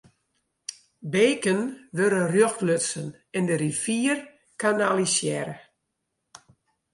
Beken wurde rjocht lutsen en de rivier kanalisearre.